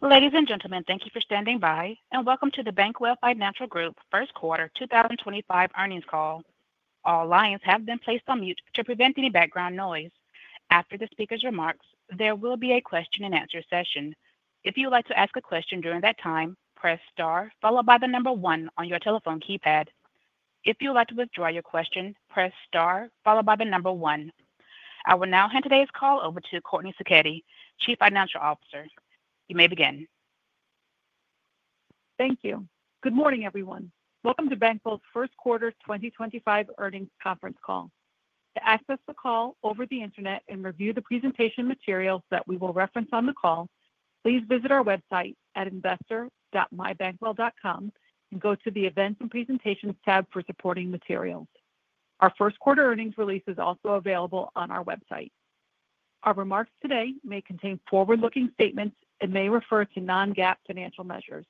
Ladies and gentlemen, thank you for standing by, and welcome to the Bankwell Financial Group First Quarter 2025 earnings call. All lines have been placed on mute to prevent any background noise. After the speaker's remarks, there will be a question-and-answer session. If you would like to ask a question during that time, press star followed by the number one on your telephone keypad. If you would like to withdraw your question, press star followed by the number one. I will now hand today's call over to Courtney Sacchetti, Chief Financial Officer. You may begin. Thank you. Good morning, everyone. Welcome to Bankwell Financial Group's First Quarter 2025 earnings conference call. To access the call over the internet and review the presentation materials that we will reference on the call, please visit our website at investor.mybankwell.com and go to the Events and Presentations tab for supporting materials. Our first quarter earnings release is also available on our website. Our remarks today may contain forward-looking statements and may refer to non-GAAP financial measures.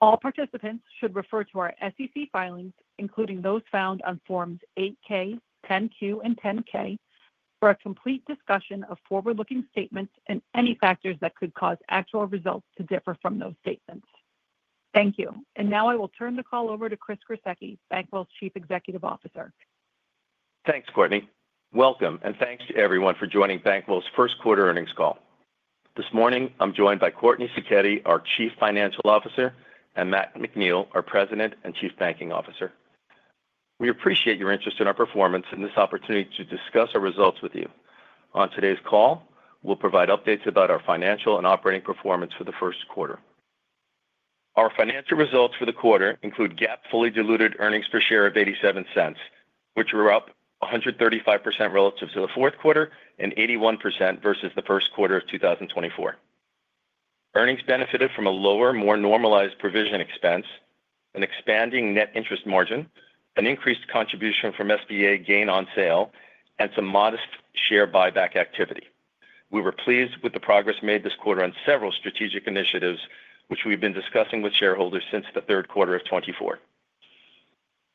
All participants should refer to our SEC filings, including those found on Forms 8-K, 10-Q, and 10-K, for a complete discussion of forward-looking statements and any factors that could cause actual results to differ from those statements. Thank you. I will now turn the call over to Chris Gruseke, Bankwell Financial Group's Chief Executive Officer. Thanks, Courtney. Welcome, and thanks to everyone for joining Bankwell's First Quarter earnings call. This morning, I'm joined by Courtney Sacchetti, our Chief Financial Officer, and Matthew McNeill, our President and Chief Banking Officer. We appreciate your interest in our performance and this opportunity to discuss our results with you. On today's call, we'll provide updates about our financial and operating performance for the first quarter. Our financial results for the quarter include GAAP fully diluted earnings per share of $0.87, which were up 135% relative to the fourth quarter and 81% versus the first quarter of 2024. Earnings benefited from a lower, more normalized provision expense, an expanding net interest margin, an increased contribution from SBA gain on sale, and some modest share buyback activity. We were pleased with the progress made this quarter on several strategic initiatives, which we've been discussing with shareholders since the third quarter of 2024.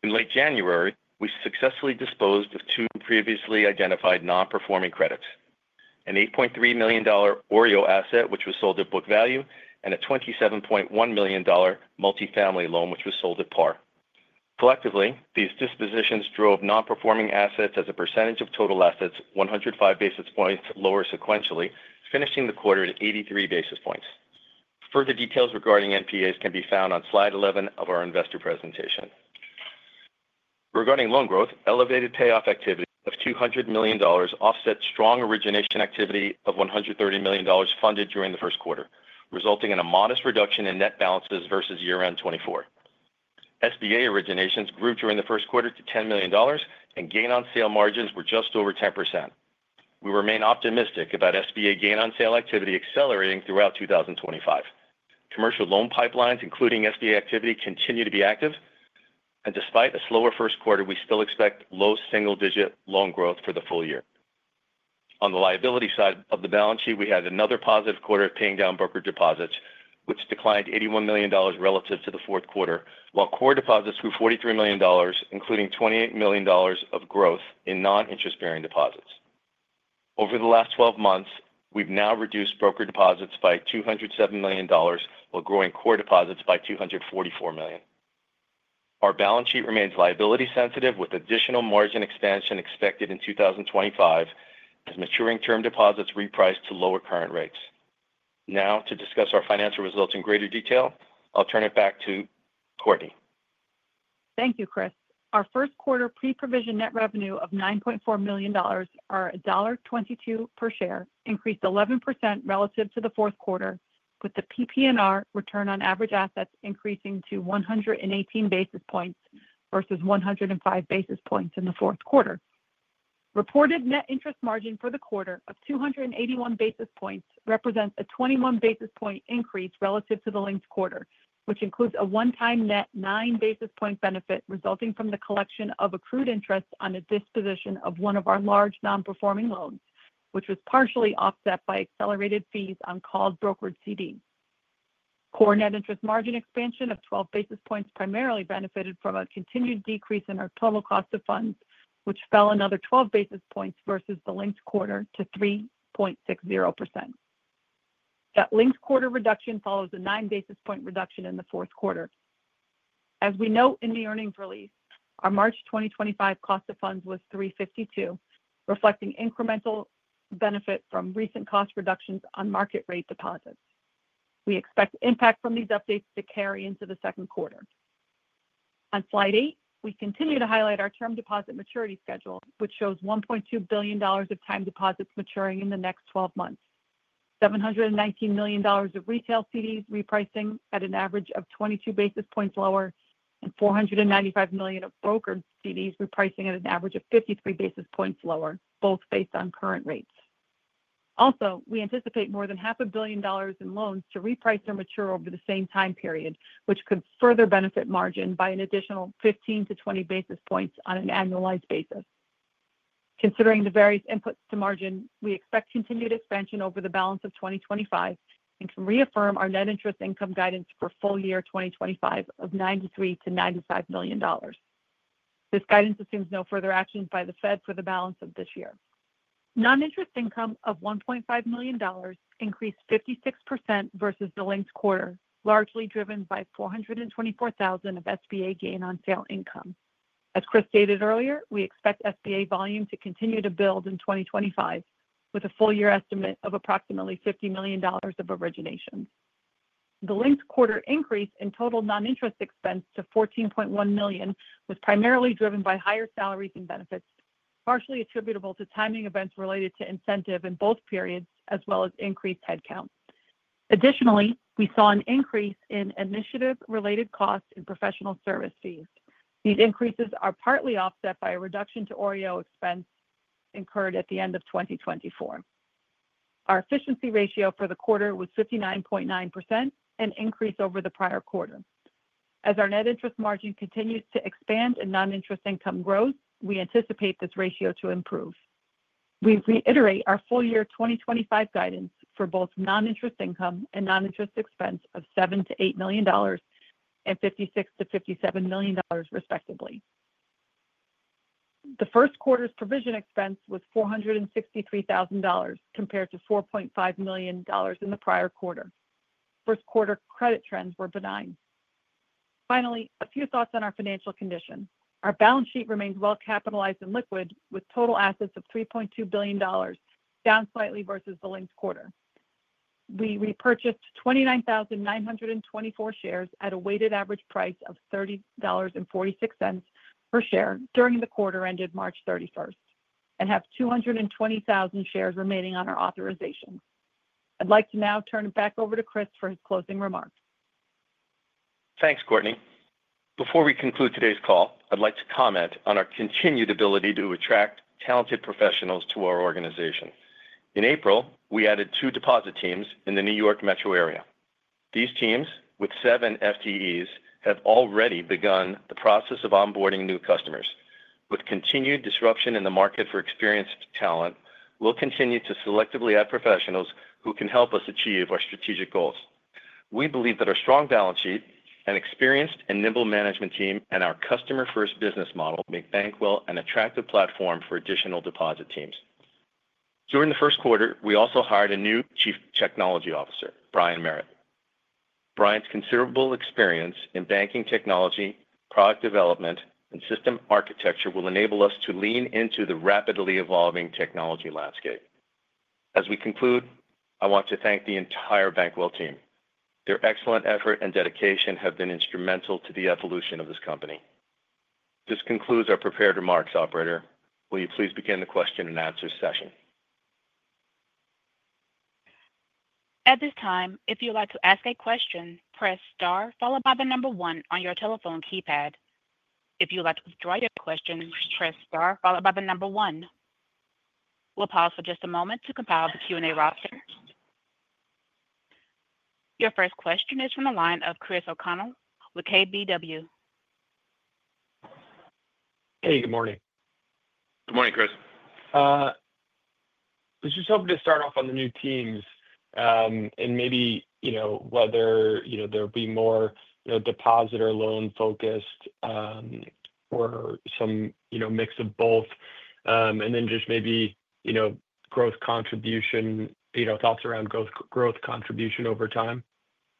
In late January, we successfully disposed of two previously identified non-performing credits: an $8.3 million OREO asset, which was sold at book value, and a $27.1 million multifamily loan, which was sold at par. Collectively, these dispositions drove non-performing assets as a percentage of total assets 105 basis points lower sequentially, finishing the quarter at 83 basis points. Further details regarding NPAs can be found on slide 11 of our investor presentation. Regarding loan growth, elevated payoff activity of $200 million offset strong origination activity of $130 million funded during the first quarter, resulting in a modest reduction in net balances versus year-end 2024. SBA originations grew during the first quarter to $10 million, and gain on sale margins were just over 10%. We remain optimistic about SBA gain on sale activity accelerating throughout 2025. Commercial loan pipelines, including SBA activity, continue to be active, and despite a slower first quarter, we still expect low single-digit loan growth for the full year. On the liability side of the balance sheet, we had another positive quarter of paying down broker deposits, which declined $81 million relative to the fourth quarter, while core deposits grew $43 million, including $28 million of growth in non-interest-bearing deposits. Over the last 12 months, we've now reduced broker deposits by $207 million while growing core deposits by $244 million. Our balance sheet remains liability-sensitive, with additional margin expansion expected in 2025 as maturing term deposits repriced to lower current rates. Now, to discuss our financial results in greater detail, I'll turn it back to Courtney. Thank you, Chris. Our first quarter pre-provision net revenue of $9.4 million or $1.22 per share increased 11% relative to the fourth quarter, with the PPNR return on average assets increasing to 118 basis points versus 105 basis points in the fourth quarter. Reported net interest margin for the quarter of 281 basis points represents a 21 basis point increase relative to the linked quarter, which includes a one-time net 9 basis point benefit resulting from the collection of accrued interest on a disposition of one of our large non-performing loans, which was partially offset by accelerated fees on called brokered CDs. Core net interest margin expansion of 12 basis points primarily benefited from a continued decrease in our total cost of funds, which fell another 12 basis points versus the linked quarter to 3.60%. That linked quarter reduction follows a 9 basis point reduction in the fourth quarter. As we note in the earnings release, our March 2025 cost of funds was $352, reflecting incremental benefit from recent cost reductions on market-rate deposits. We expect impact from these updates to carry into the second quarter. On slide 8, we continue to highlight our term deposit maturity schedule, which shows $1.2 billion of time deposits maturing in the next 12 months, $719 million of retail CDs repricing at an average of 22 basis points lower, and $495 million of brokered CDs repricing at an average of 53 basis points lower, both based on current rates. Also, we anticipate more than $500,000,000 in loans to reprice or mature over the same time period, which could further benefit margin by an additional 15-20 basis points on an annualized basis. Considering the various inputs to margin, we expect continued expansion over the balance of 2025 and can reaffirm our net interest income guidance for full year 2025 of $93-$95 million. This guidance assumes no further actions by the Fed for the balance of this year. Non-interest income of $1.5 million increased 56% versus the linked quarter, largely driven by $424,000 of SBA gain on sale income. As Chris stated earlier, we expect SBA volume to continue to build in 2025, with a full year estimate of approximately $50 million of originations. The linked quarter increase in total non-interest expense to $14.1 million was primarily driven by higher salaries and benefits, partially attributable to timing events related to incentive in both periods, as well as increased headcount. Additionally, we saw an increase in initiative-related costs and professional service fees. These increases are partly offset by a reduction to OREO expense incurred at the end of 2024. Our efficiency ratio for the quarter was 59.9%, an increase over the prior quarter. As our net interest margin continues to expand and non-interest income grows, we anticipate this ratio to improve. We reiterate our full year 2025 guidance for both non-interest income and non-interest expense of $7-8 million and $56-57 million, respectively. The first quarter's provision expense was $463,000 compared to $4.5 million in the prior quarter. First quarter credit trends were benign. Finally, a few thoughts on our financial condition. Our balance sheet remains well capitalized and liquid, with total assets of $3.2 billion, down slightly versus the linked quarter. We repurchased 29,924 shares at a weighted average price of $30.46 per share during the quarter ended March 31st and have 220,000 shares remaining on our authorization. I'd like to now turn it back over to Chris for his closing remarks. Thanks, Courtney. Before we conclude today's call, I'd like to comment on our continued ability to attract talented professionals to our organization. In April, we added two deposit teams in the New York metro area. These teams, with seven FTEs, have already begun the process of onboarding new customers. With continued disruption in the market for experienced talent, we'll continue to selectively add professionals who can help us achieve our strategic goals. We believe that our strong balance sheet, an experienced and nimble management team, and our customer-first business model make Bankwell an attractive platform for additional deposit teams. During the first quarter, we also hired a new Chief Technology Officer, Brian Merritt. Brian's considerable experience in banking technology, product development, and system architecture will enable us to lean into the rapidly evolving technology landscape. As we conclude, I want to thank the entire Bankwell team. Their excellent effort and dedication have been instrumental to the evolution of this company. This concludes our prepared remarks, Operator. Will you please begin the question and answer session? At this time, if you would like to ask a question, press star followed by the number one on your telephone keypad. If you would like to withdraw your question, press star followed by the number one. We'll pause for just a moment to compile the Q&A roster. Your first question is from the line of Chris O'Connell with KBW. Hey, good morning. Good morning, Chris. I was just hoping to start off on the new teams and maybe whether they'll be more deposit or loan-focused or some mix of both, and then just maybe growth contribution, thoughts around growth contribution over time,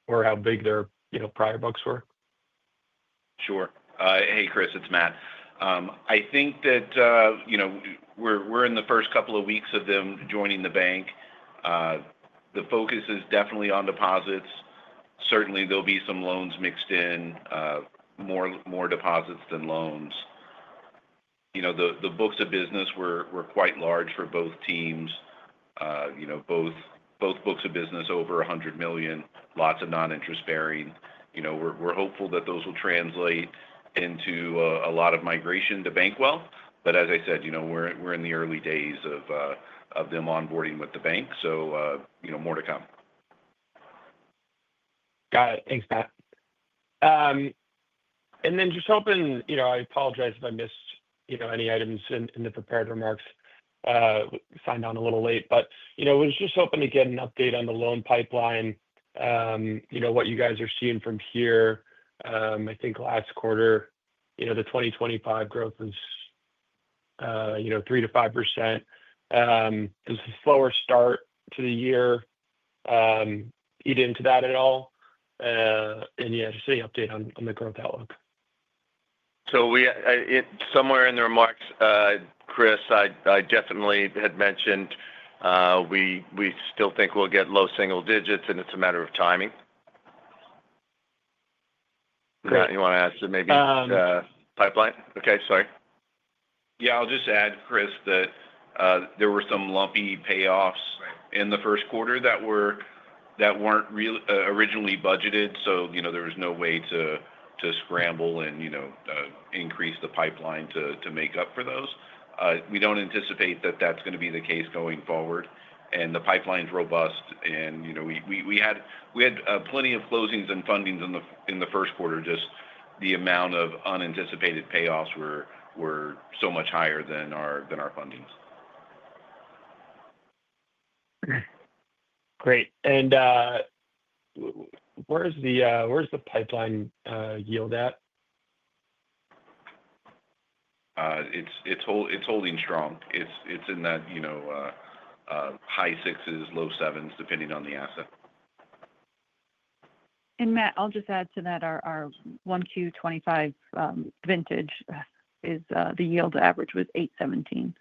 or how big their prior books were. Sure. Hey, Chris, it's Matt. I think that we're in the first couple of weeks of them joining the bank. The focus is definitely on deposits. Certainly, there'll be some loans mixed in, more deposits than loans. The books of business were quite large for both teams, both books of business over $100 million, lots of non-interest-bearing. We're hopeful that those will translate into a lot of migration to Bankwell, but as I said, we're in the early days of them onboarding with the bank, so more to come. Got it. Thanks, Matt. I apologize if I missed any items in the prepared remarks. Signed on a little late, but I was just hoping to get an update on the loan pipeline, what you guys are seeing from here. I think last quarter, the 2025 growth was 3-5%. Does the slower start to the year eat into that at all? Yeah, just any update on the growth outlook. Somewhere in the remarks, Chris, I definitely had mentioned we still think we'll get low single digits, and it's a matter of timing. Matt, you want to add to maybe the pipeline? Okay, sorry. Yeah, I'll just add, Chris, that there were some lumpy payoffs in the first quarter that weren't originally budgeted, so there was no way to scramble and increase the pipeline to make up for those. We don't anticipate that that's going to be the case going forward, and the pipeline's robust. We had plenty of closings and fundings in the first quarter. Just the amount of unanticipated payoffs were so much higher than our fundings. Great. Where's the pipeline yield at? It's holding strong. It's in that high sixes, low sevens, depending on the asset. Matt, I'll just add to that our 1Q25 vintage is the yield average was 8.17%.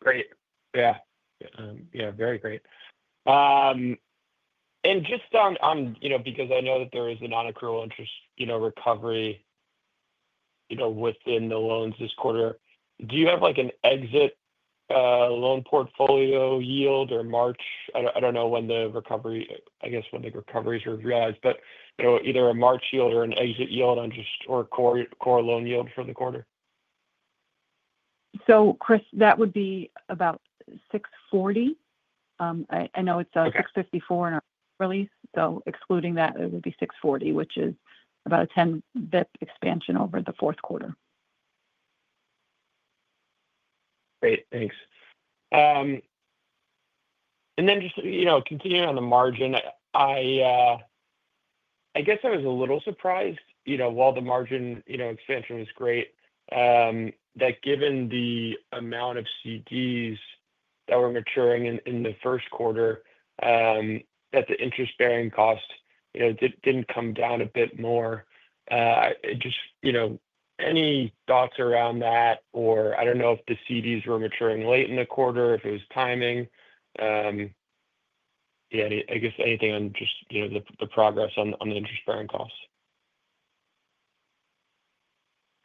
Great. Yeah. Yeah, very great. Just because I know that there is a non-accrual interest recovery within the loans this quarter, do you have an exit loan portfolio yield or March? I do not know when the recovery—I guess when the recoveries are realized, but either a March yield or an exit yield or core loan yield for the quarter? Chris, that would be about 640. I know it's 654 in our release, so excluding that, it would be 640, which is about a 10 debt expansion over the fourth quarter. Great. Thanks. Just continuing on the margin, I guess I was a little surprised while the margin expansion was great that given the amount of CDs that were maturing in the first quarter, that the interest-bearing cost did not come down a bit more. Just any thoughts around that, or I do not know if the CDs were maturing late in the quarter, if it was timing. Yeah, I guess anything on just the progress on the interest-bearing costs.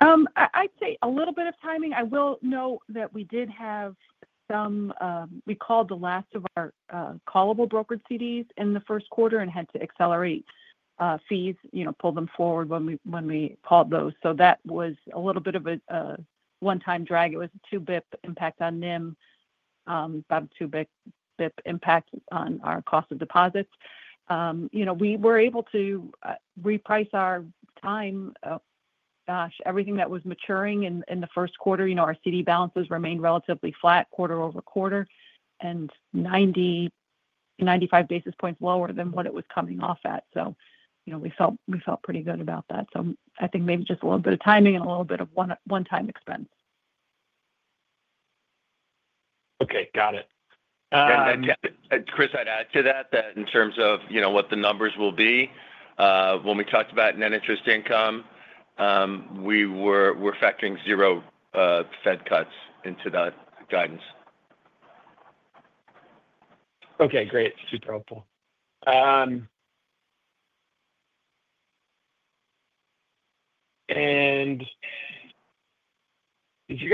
I'd say a little bit of timing. I will note that we did have some—we called the last of our callable brokered CDs in the first quarter and had to accelerate fees, pull them forward when we called those. That was a little bit of a one-time drag. It was a 2 basis point impact on NIM, about a 2 basis point impact on our cost of deposits. We were able to reprice our time—gosh, everything that was maturing in the first quarter. Our CD balances remained relatively flat quarter over quarter and 90-95 basis points lower than what it was coming off at. We felt pretty good about that. I think maybe just a little bit of timing and a little bit of one-time expense. Okay. Got it. Chris, I'd add to that that in terms of what the numbers will be, when we talked about net interest income, we're factoring zero Fed cuts into that guidance. Okay. Great. Super helpful. Did you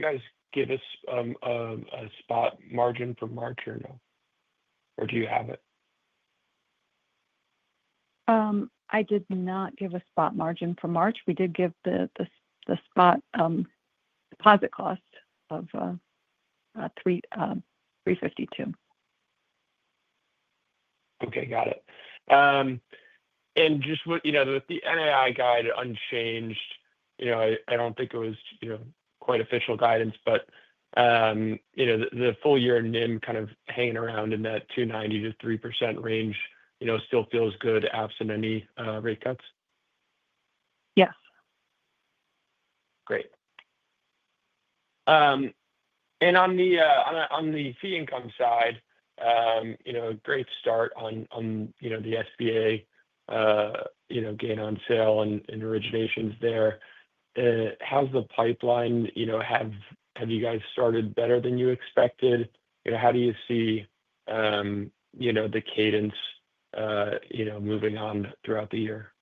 guys give us a spot margin for March or no? Or do you have it? I did not give a spot margin for March. We did give the spot deposit cost of 352. Okay. Got it. Just with the NII guide unchanged, I do not think it was quite official guidance, but the full year NIM kind of hanging around in that 2.90%-3% range still feels good, absent any rate cuts? Yes. Great. On the fee income side, a great start on the SBA gain on sale and originations there. How's the pipeline? Have you guys started better than you expected? How do you see the cadence moving on throughout the year?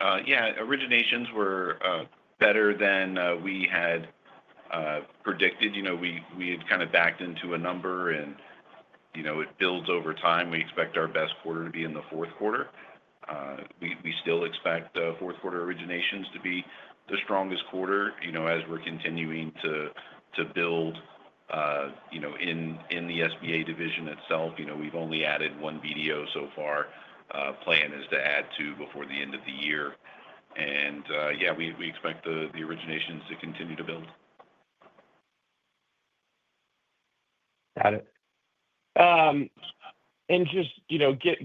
Yeah. Originations were better than we had predicted. We had kind of backed into a number, and it builds over time. We expect our best quarter to be in the fourth quarter. We still expect fourth quarter originations to be the strongest quarter as we're continuing to build in the SBA division itself. We've only added one BDO so far. The plan is to add two before the end of the year. Yeah, we expect the originations to continue to build. Got it. Just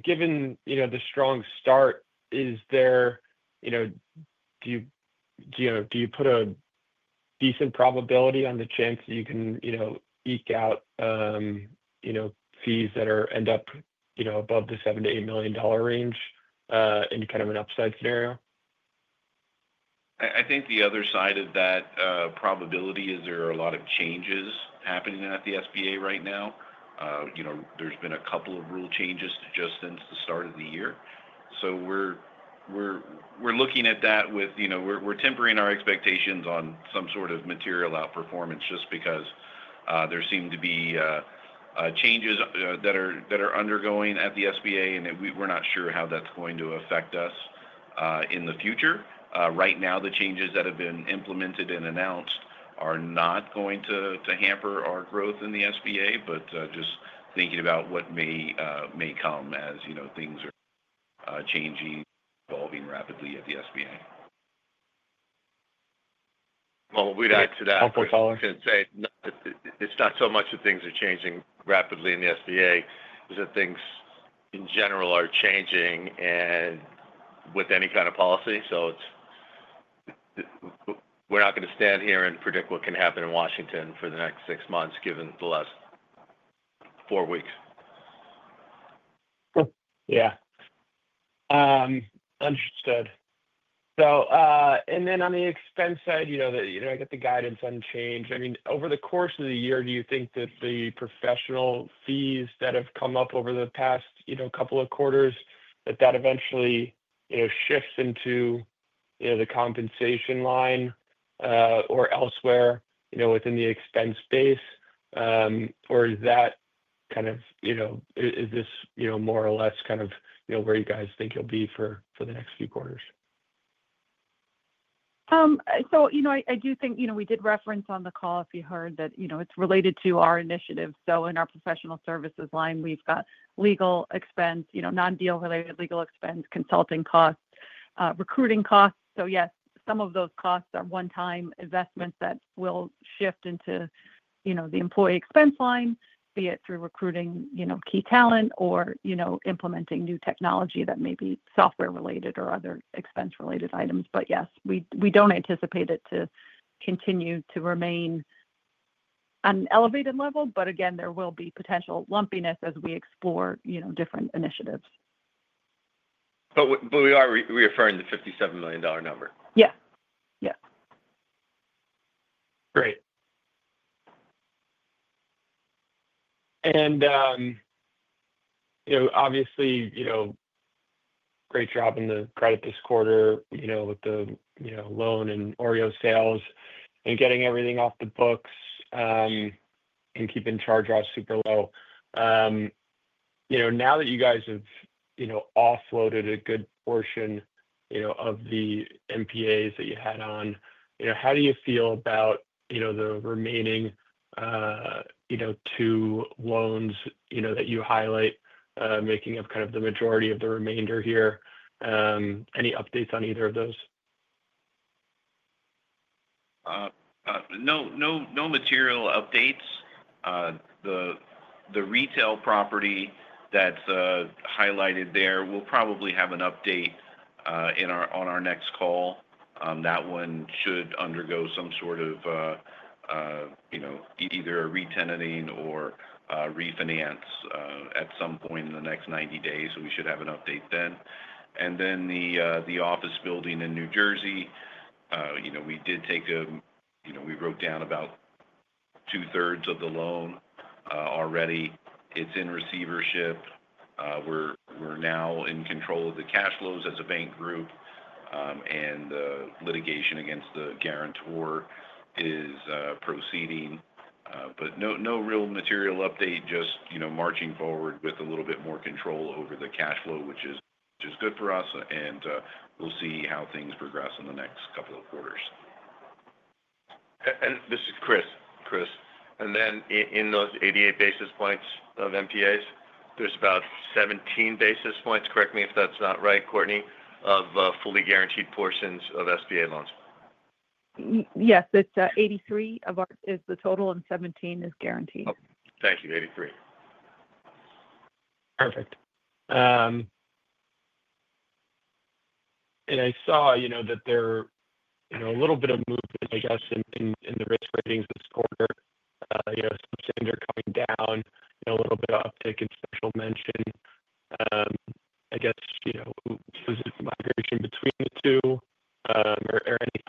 given the strong start, is there—do you put a decent probability on the chance that you can eke out fees that end up above the $7-$8 million range in kind of an upside scenario? I think the other side of that probability is there are a lot of changes happening at the SBA right now. There have been a couple of rule changes just since the start of the year. We are looking at that with—we are tempering our expectations on some sort of material outperformance just because there seem to be changes that are undergoing at the SBA, and we are not sure how that is going to affect us in the future. Right now, the changes that have been implemented and announced are not going to hamper our growth in the SBA, but just thinking about what may come as things are changing, evolving rapidly at the SBA. We'd add to that. Helpful. I should say it's not so much that things are changing rapidly in the SBA; it's that things, in general, are changing with any kind of policy. We're not going to stand here and predict what can happen in Washington for the next six months, given the last four weeks. Yeah. Understood. On the expense side, I get the guidance unchanged. I mean, over the course of the year, do you think that the professional fees that have come up over the past couple of quarters, that that eventually shifts into the compensation line or elsewhere within the expense space? Or is that kind of—is this more or less kind of where you guys think you'll be for the next few quarters? I do think we did reference on the call, if you heard, that it's related to our initiative. In our professional services line, we've got legal expense, non-deal-related legal expense, consulting costs, recruiting costs. Yes, some of those costs are one-time investments that will shift into the employee expense line, be it through recruiting key talent or implementing new technology that may be software-related or other expense-related items. Yes, we don't anticipate it to continue to remain at an elevated level, but again, there will be potential lumpiness as we explore different initiatives. We are reaffirming the $57 million number? Yes. Yes. Great. Obviously, great job in the credit this quarter with the loan and OREO sales and getting everything off the books and keeping charge-offs super low. Now that you guys have offloaded a good portion of the NPAs that you had on, how do you feel about the remaining two loans that you highlight, making up kind of the majority of the remainder here? Any updates on either of those? No material updates. The retail property that's highlighted there will probably have an update on our next call. That one should undergo some sort of either a re-tenanting or refinance at some point in the next 90 days, so we should have an update then. The office building in New Jersey, we did take a—we wrote down about two-thirds of the loan already. It's in receivership. We're now in control of the cash flows as a bank group, and the litigation against the guarantor is proceeding. No real material update, just marching forward with a little bit more control over the cash flow, which is good for us, and we'll see how things progress in the next couple of quarters. This is Chris. Chris. In those 88 basis points of NPAs, there is about 17 basis points—correct me if that is not right, Courtney—of fully guaranteed portions of SBA loans. Yes. It's 83 of ours is the total, and 17 is guaranteed. Thank you. Eighty-three. Perfect. I saw that there's a little bit of movement, I guess, in the risk ratings this quarter. Some things are coming down, a little bit of uptick in special mention. I guess, was it migration between the two, or anything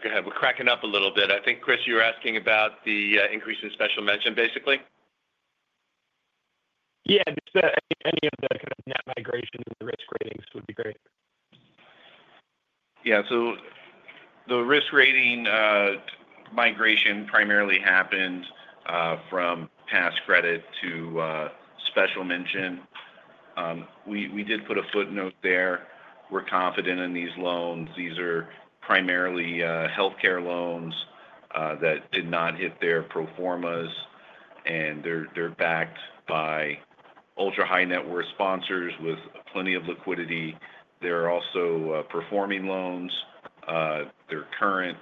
around movement? Yeah. Go ahead. We're cracking up a little bit. I think, Chris, you were asking about the increase in special mention, basically? Yeah. Any of the kind of net migration and the risk ratings would be great. Yeah. The risk rating migration primarily happened from Pass credit to special mention. We did put a footnote there. We're confident in these loans. These are primarily healthcare loans that did not hit their pro formas, and they're backed by ultra-high net worth sponsors with plenty of liquidity. They're also performing loans. They're current,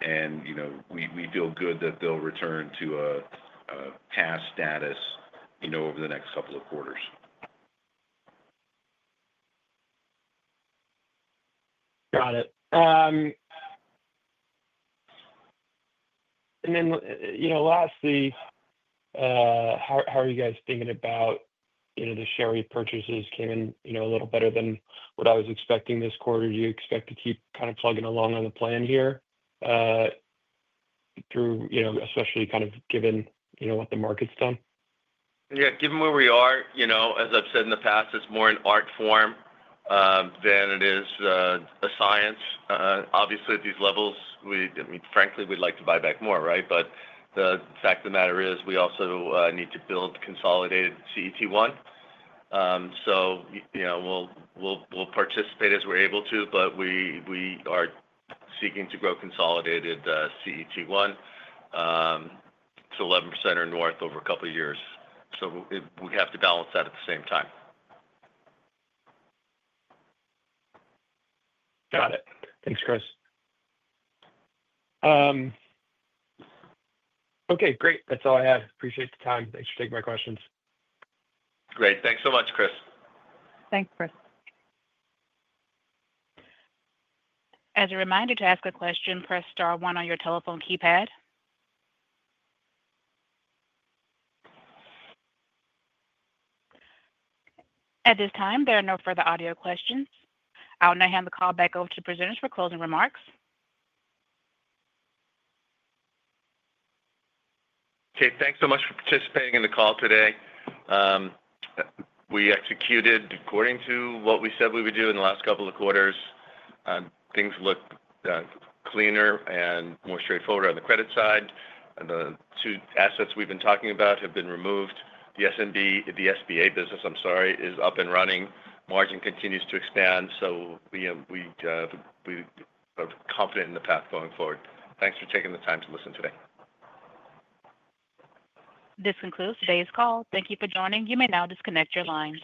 and we feel good that they'll return to a past status over the next couple of quarters. Got it. Lastly, how are you guys thinking about the share repurchases came in a little better than what I was expecting this quarter? Do you expect to keep kind of plugging along on the plan here through, especially kind of given what the market's done? Yeah. Given where we are, as I've said in the past, it's more an art form than it is a science. Obviously, at these levels, frankly, we'd like to buy back more, right? The fact of the matter is we also need to build consolidated CET1. We will participate as we're able to, but we are seeking to grow consolidated CET1 to 11% or north over a couple of years. We have to balance that at the same time. Got it. Thanks, Chris. Okay. Great. That's all I had. Appreciate the time. Thanks for taking my questions. Great. Thanks so much, Chris. Thanks, Chris. As a reminder to ask a question, press star one on your telephone keypad. At this time, there are no further audio questions. I'll now hand the call back over to presenters for closing remarks. Okay. Thanks so much for participating in the call today. We executed according to what we said we would do in the last couple of quarters. Things look cleaner and more straightforward on the credit side. The two assets we've been talking about have been removed. The SBA business, I'm sorry, is up and running. Margin continues to expand, so we are confident in the path going forward. Thanks for taking the time to listen today. This concludes today's call. Thank you for joining. You may now disconnect your line.